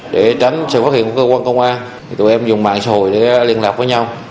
để tránh sự phát hiện của cơ quan công an thì tụi em dùng mạng xã hội để liên lạc với nhau